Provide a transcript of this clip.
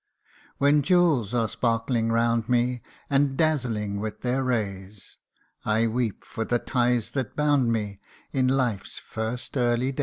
When jewels are sparkling round me, And dazzling with their rays, I weep for the ties that bound me In life's first early days.